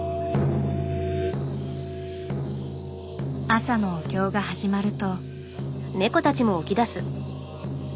朝のお経が始まると。